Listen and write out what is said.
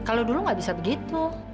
kalau dulu nggak bisa begitu